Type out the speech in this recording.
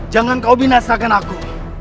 jangan kau binasakan aku